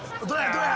どうや？